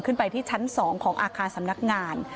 ขึ้นไปที่ชั้น๒ของอาคารสำนักงาน